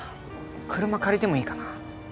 車借りてもいいかな？